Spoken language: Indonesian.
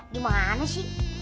di mana sih